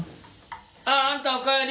あああんたお帰り！